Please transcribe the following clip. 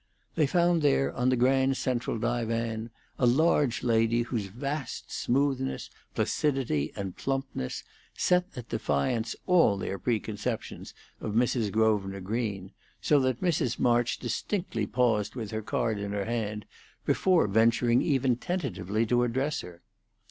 They found there on the grand central divan a large lady whose vast smoothness, placidity, and plumpness set at defiance all their preconceptions of Mrs. Grosvenor Green, so that Mrs. March distinctly paused with her card in her hand before venturing even tentatively to address her.